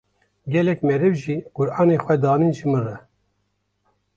Gelek meriv jî Qu’rana xwe dianîn ji min re.